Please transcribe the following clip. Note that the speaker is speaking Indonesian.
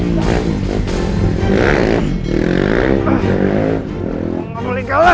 gue gak boleh kalah